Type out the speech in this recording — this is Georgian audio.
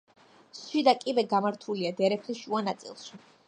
შიდა კიბე გამართულია დერეფნის შუა ნაწილში.